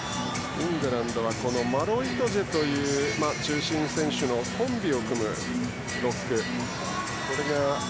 イングランドはマロ・イトジェという中心選手のコンビを組むロック